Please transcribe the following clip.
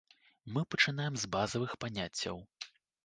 Мы пачынаем з базавых паняццяў.